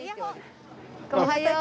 おはよう。